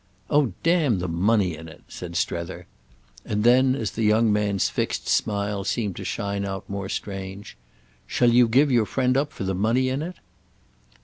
"Oh damn the money in it!" said Strether. And then as the young man's fixed smile seemed to shine out more strange: "Shall you give your friend up for the money in it?"